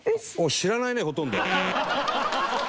知らないねほとんど。